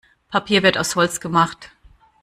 Papier wird aus Holz gemacht.